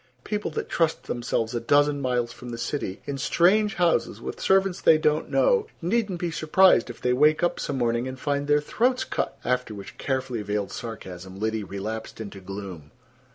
People that trust themselves a dozen miles from the city, in strange houses, with servants they don't know, needn't be surprised if they wake up some morning and find their throats cut." After which carefully veiled sarcasm Liddy relapsed into gloom.